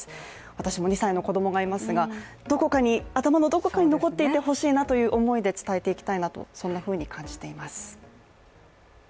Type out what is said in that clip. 私も２歳の子供がいますが、頭のどこかに残っていてほしいなという思いで伝えていきたいなと感じています。